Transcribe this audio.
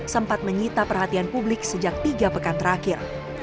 sempat menyita perhatian publik sejak tiga pekan terakhir